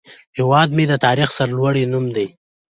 هیواد مې د تاریخ سرلوړی نوم دی